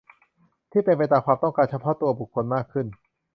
ที่เป็นไปตามความต้องการเฉพาะตัวบุคคลมากขึ้น